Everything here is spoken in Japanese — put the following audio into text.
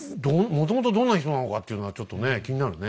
もともとどんな人なのかっていうのはちょっとね気になるね。